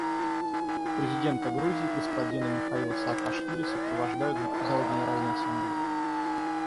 Президента Грузии господина Михаила Саакашвили сопровождают в зал Генеральной Ассамблеи.